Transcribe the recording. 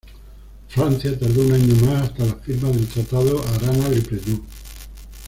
Francia tardó un año más, hasta la firma del Tratado Arana-Lepredour.